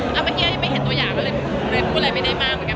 เอ้าเมื่อกี้ยังไม่เห็นตัวอย่างก็เลยเรียบกูแลไม่ได้มากเหมือนกัน